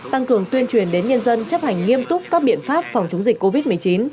tăng cường tuyên truyền đến nhân dân chấp hành nghiêm túc các biện pháp phòng chống dịch covid một mươi chín